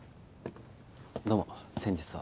どうも先日は。